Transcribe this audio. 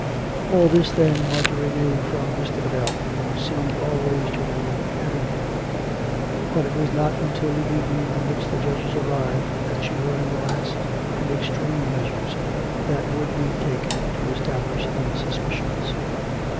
All this, then, Marjorie knew from Mr. Biddell, who seemed always to know everything; but it was not until the evening on which the judges arrived that she learned the last and extreme measures that would be taken to es tablish these suspicions.